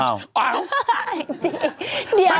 อ้าวเจ๊เดี๋ยวนะ